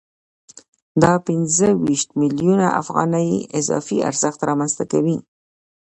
دا پنځه ویشت میلیونه افغانۍ اضافي ارزښت رامنځته کوي